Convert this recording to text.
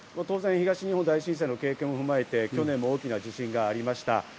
当然、東日本大震災の経験も踏まえて去年も大きな地震がありました。